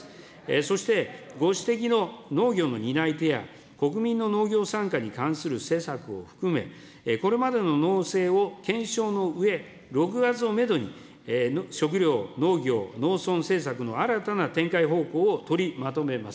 そしてご指摘の農業の担い手や、国民の農業参加に関する施策を含め、これまでの農政を検証の上、６月をメドに、食料、農業、農村政策の新たな展開方向を取りまとめます。